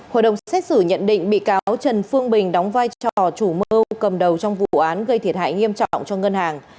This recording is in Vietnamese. hội đồng xét xử nhận định bị cáo trần phương bình đóng vai trò chủ mưu cầm đầu trong vụ án gây thiệt hại nghiêm trọng cho ngân hàng